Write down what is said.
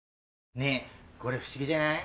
ねえこれ不思議じゃない？